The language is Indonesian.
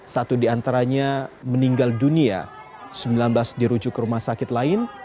satu di antaranya meninggal dunia sembilan belas dirujuk ke rumah sakit lain